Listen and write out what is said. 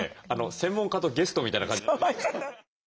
専門家とゲストみたいな感じ。